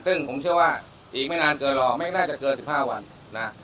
ซึ่งผมเชื่อว่าอีกไม่นานเกินหรอกไม่น่าจะเกิน๑๕วันนะ